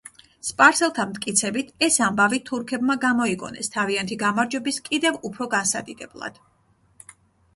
სპარსელთა მტკიცებით ეს ამბავი თურქებმა გამოიგონეს თავიანთი გამარჯვების კიდევ უფრო განსადიდებლად.